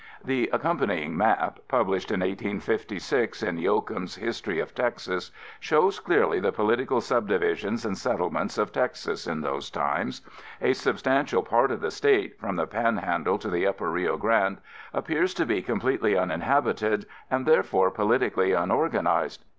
The accompanying map, published in 1856 in Yoakum's History of Texas, shows clearly the political subdivisions and settlements of Texas in those times. A substantial part of the State, from the Panhandle to the upper Rio Grande, appears to be completely uninhabited and, therefore, politically unorganized.